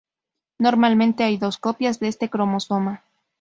Normalmente hay dos copias de este cromosoma.